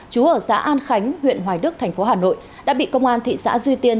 chú ở xã an khánh huyện hoài đức thành phố hà nội đã bị công an thị xã duy tiên